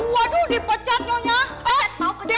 waduh dipecat nyonya